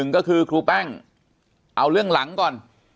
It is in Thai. ก็คือครูแป้งเอาเรื่องหลังก่อน